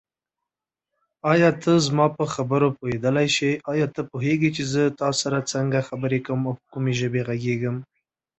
He died at Freiberg.